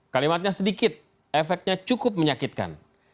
kalimatnya sedikit efeknya cukup menyakitkan